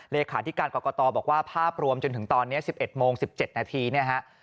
เลขาธิการกรกตบอกว่าภาพรวมจนถึงตอนนี้๑๑โมง๑๗นาทีเนี่ยฮะ